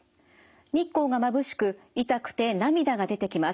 日光がまぶしく痛くて涙が出てきます。